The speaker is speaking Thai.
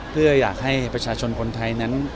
เพื่ออยากให้ประชาชนคนไทยนั้น